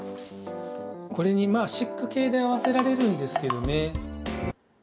これにまあシック系で合わせられるんですけどね。